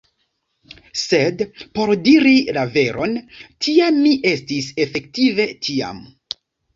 Sed, por diri la veron, tia mi estis efektive tiam!